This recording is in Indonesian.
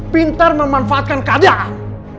pintar memanfaatkan keadaan